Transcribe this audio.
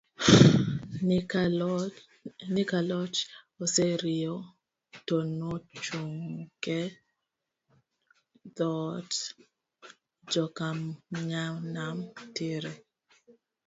ni ka loch oseriwo, to nochung e dhood jokanyanam tiir!!